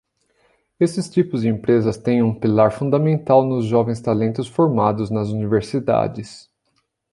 Esses tipos de empresas têm um pilar fundamental nos jovens talentos formados nas universidades.